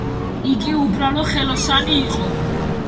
იგი უბრალო ხელოსანი იყო.